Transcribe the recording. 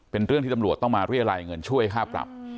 เป็นเรื่องที่ตำรวจต้องมาเรียรายเงินช่วยค่าปรับ